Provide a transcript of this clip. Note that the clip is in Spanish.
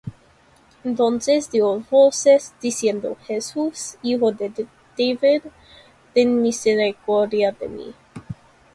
Entonces dió voces, diciendo: Jesús, Hijo de David, ten misericordia de mí.